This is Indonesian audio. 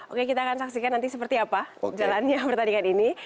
oke kita akan saksikan nanti seperti apa jalannya pertandingan ini